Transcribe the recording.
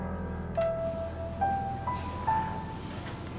nah ini betul betul sudah kamu bolak balik akum